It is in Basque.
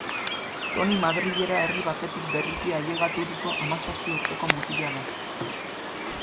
Toni Madrilera herri batetik berriki ailegaturiko hamazazpi urteko mutila da.